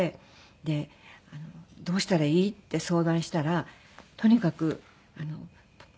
でどうしたらいい？って相談したらとにかくプロテインを飲めって。